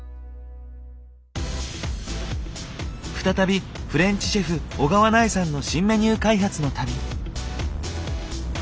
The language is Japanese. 再びフレンチシェフ小川苗さんの新メニュー開発の旅。